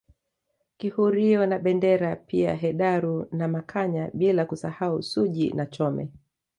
Kihurio na Bendera pia Hedaru na Makanya bila kusahau Suji na Chome